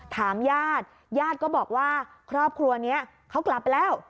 ถามญาติญาติก็บอกว่าครอบครัวนี้เขากลับไปแล้ว